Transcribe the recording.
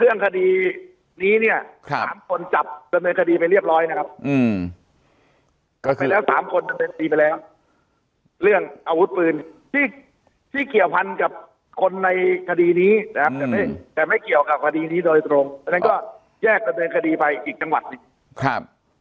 เรื่องอาวุธปืนที่เขียวพันธุ์กับคนในคาดีนี้นะครับ